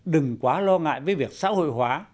đừng quá lo ngại với việc xã hội hóa